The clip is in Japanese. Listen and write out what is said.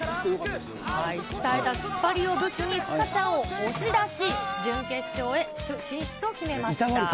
鍛えた突っ張りを武器に、ふっかちゃんを押し出し、準決勝へ進出を決めました。